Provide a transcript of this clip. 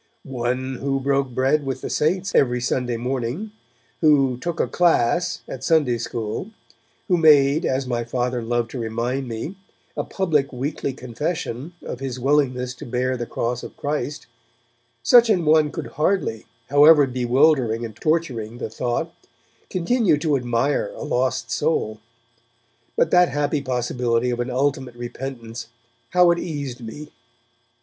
One who broke bread with the Saints every Sunday morning, who 'took a class' at Sunday school, who made, as my Father loved to remind me, a public weekly confession of his willingness to bear the Cross of Christ, such an one could hardly, however bewildering and torturing the thought, continue to admire a lost soul. But that happy possibility of an ultimate repentance, how it eased me!